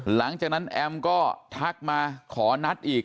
หลังจากนั้นแอมก็ทักมาขอนัดอีก